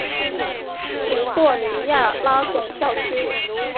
属霍尼亚拉总教区。